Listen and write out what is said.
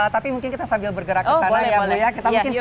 tapi mungkin kita sambil bergerak ke sana ya bu ya